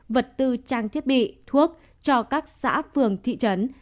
vật tư trang thiết bị thuốc cho các xã phường thị trấn